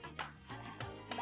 buat dua aja